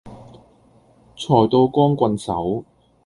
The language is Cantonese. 財到光棍手